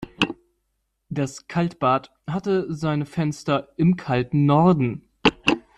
Das Kaltbad hatte seine Fenster im kalten Norden.